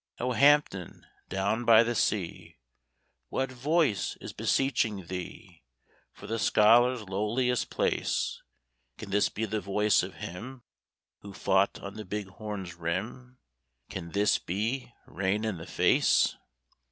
O Hampton, down by the sea! What voice is beseeching thee For the scholar's lowliest place? Can this be the voice of him Who fought on the Big Horn's rim? Can this be Rain in the Face?